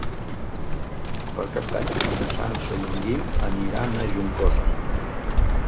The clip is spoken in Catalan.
Per Cap d'Any na Sança i en Guim aniran a Juncosa.